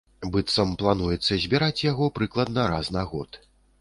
Быццам, плануецца збіраць яго прыкладна раз на год.